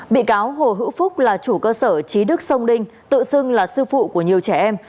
bị cáo hồ hữu phúc là chủ cơ sở trí đức sông đinh tự xưng là sư phụ của nhiều trẻ em